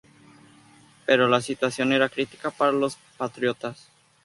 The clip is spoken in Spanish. Pero la situación era crítica para los patriotas.